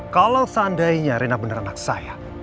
kalau seandainya rina benar anak saya